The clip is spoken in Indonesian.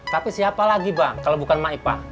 tapi siapa lagi bang kalau bukan maipa